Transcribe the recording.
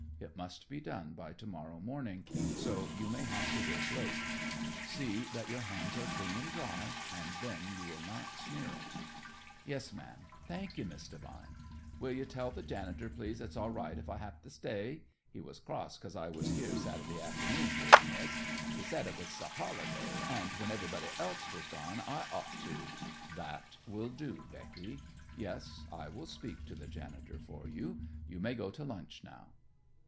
It must be done by to morrow morning, so you may have to work late. See that your hands are clean and dry, and then you will not smear it." "Yes, ma'am. Thank you, Miss Devine. Will you tell the janitor, please, it's all right if I have to stay? He was cross because I was here Saturday afternoon doing this. He said it was a holiday, and when everybody else was gone I ought to " "That will do, Becky. Yes, I will speak to the janitor for you. You may go to lunch now."